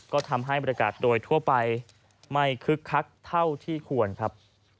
ก็ทำให้บริการโดยทั่วไปไม่คึกคักเท่าที่ควรครับ